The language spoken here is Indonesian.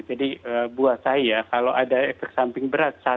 jadi buat saya kalau ada efek samping berat